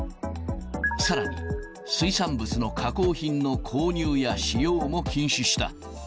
さらに、水産物の加工品の購入や使用も禁止した。